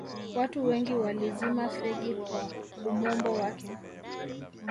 watu wengi walizima fegi kwa umombo wake